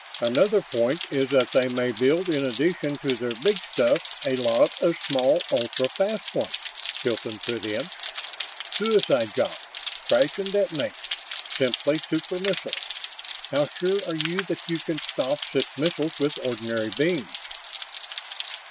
"Another point is that they may build, in addition to their big stuff, a lot of small, ultra fast ones," Hilton put in. "Suicide jobs crash and detonate simply super missiles. How sure are you that you can stop such missiles with ordinary beams?"